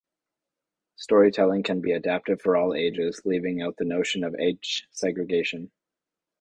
Storytelling can be adaptive for all ages, leaving out the notion of age segregation.